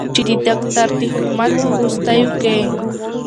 چې د داکتر د حکومت په وروستیو کې